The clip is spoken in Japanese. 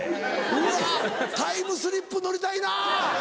うわタイムスリップ乗りたいな！